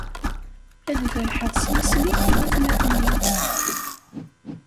Ad berrḥeɣ s yisem-ik i watmaten-iw.